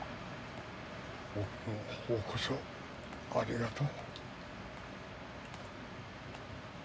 僕の方こそありがとう。